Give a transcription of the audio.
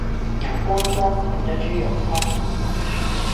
眼光光，飲咗豬肉湯